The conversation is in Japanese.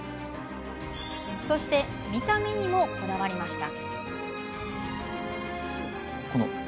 そして、見た目にもこだわりました。